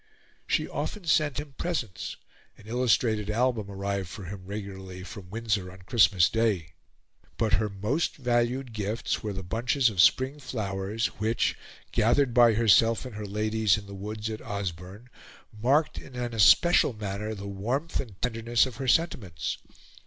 She often sent him presents; an illustrated album arrived for him regularly from Windsor on Christmas Day. But her most valued gifts were the bunches of spring flowers which, gathered by herself and her ladies in the woods at Osborne, marked in an especial manner the warmth and tenderness of her sentiments.